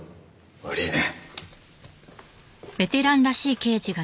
悪いね。